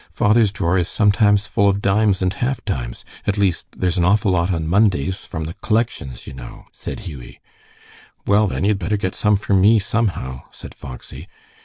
"Father's drawer is sometimes full of dimes and half dimes. At least, there's an awful lot on Mondays, from the collections, you know," said Hughie. "Well, then, you had better get some for me, somehow," said Foxy.